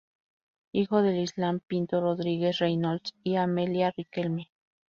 Hijo de Ismael Pinto Rodriguez-Reynolds y Amelia Riquelme.